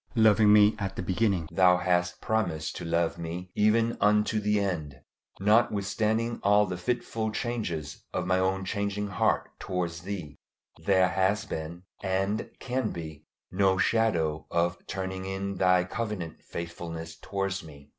Loving me at the beginning, Thou hast promised to love me even unto the end. Notwithstanding all the fitful changes of my own changing heart towards Thee, there has been, and can be, no shadow of turning in Thy covenant faithfulness towards me.